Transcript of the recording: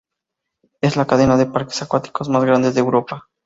Es la cadena de parques acuáticos más grande de Europa.